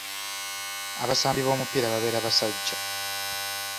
Abasambi b'omupiira babeera basajja.